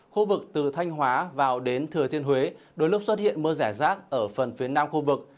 khu vực từ thanh hóa vào đến thừa thiên huế đôi lúc xuất hiện mưa rải rác ở phần phía nam khu vực